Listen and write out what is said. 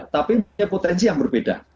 tapi punya potensi yang berbeda